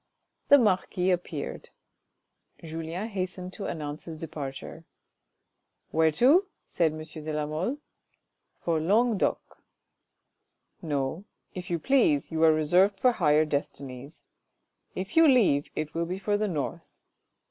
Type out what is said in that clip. The marquis appeared ; Julien hastened to announce his departure. 11 Where to ?" said M. de la Mole. " For Languedoc." " No, if you please, you are reserved for higher destinies. If you leave it will be for the North.